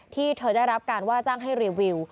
ที่เธอได้รับการว่าจ้างให้รีวิว